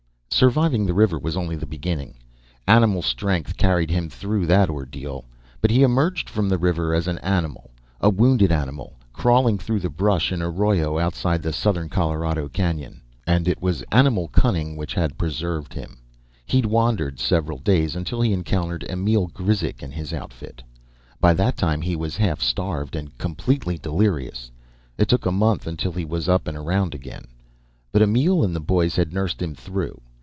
Surviving the river was only the beginning. Animal strength carried him through that ordeal. But he emerged from the river as an animal; a wounded animal, crawling through the brush and arroyo outside the southern Colorado canyon. And it was animal cunning which preserved him. He'd wandered several days until he encountered Emil Grizek and his outfit. By that time he was half starved and completely delirious. It took a month until he was up and around again. But Emil and the boys had nursed him through.